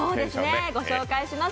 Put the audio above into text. ご紹介します。